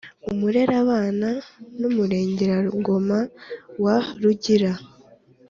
Umurerabana n’ umurengerangoma wa Rugira,